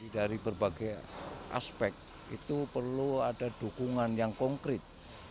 dari berbagai aspek itu perlu ada dukungan yang konkret